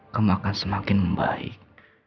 kamu akan semakin baik